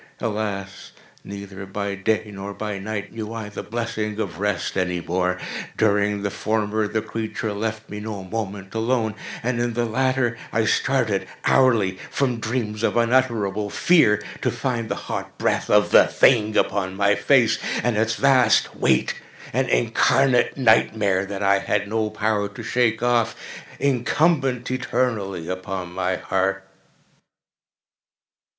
Alas! neither by day nor by night knew I the blessing of rest any more! During the former the creature left me no moment alone, and in the latter I started hourly from dreams of unutterable fear to find the hot breath of the thing upon my face, and its vast weight—an incarnate nightmare that I had no power to shake off—incumbent eternally upon my heart!